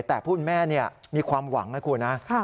แต่พูดแม่มีความหวังนะคุณนะ